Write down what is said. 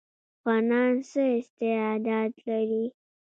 افغانان څه استعداد لري؟